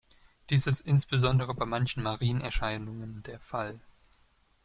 Dies ist insbesondere bei manchen Marienerscheinungen der Fall.